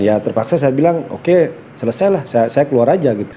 ya terpaksa saya bilang oke selesailah saya keluar aja